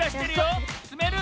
つめる？